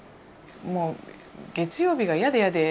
もう月曜日が嫌で嫌で。